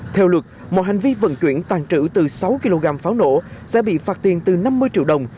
theo luật mọi hành vi vận chuyển tàn trữ từ sáu kg pháo nổ sẽ bị phạt tiền từ năm mươi triệu đồng